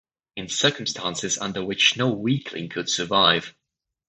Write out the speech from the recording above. in circumstances under which no weakling could survive